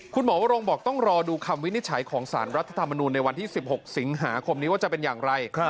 วรงบอกต้องรอดูคำวินิจฉัยของสารรัฐธรรมนูลในวันที่๑๖สิงหาคมนี้ว่าจะเป็นอย่างไร